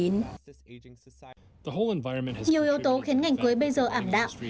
nhiều yếu tố khiến ngành cưới bây giờ ảm đạm